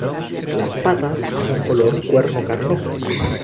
Las patas son color cuerno carnoso.